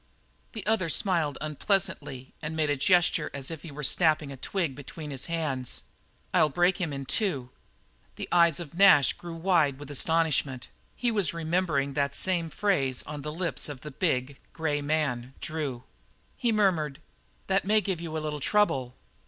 The other smiled unpleasantly and made a gesture as if he were snapping a twig between his hands. "I'll break him in two." The eyes of Nash grew wide with astonishment; he was remembering that same phrase on the lips of the big, grey man, Drew. He murmured: "That may give you a little trouble.